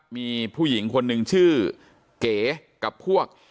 มีผู้หญิงคนหนึ่งชื่อเก๋กับพวก